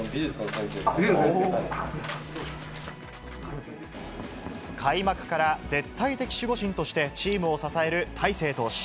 開幕から絶対的守護神としてチームを支える大勢投手。